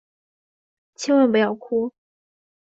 千万不要哭！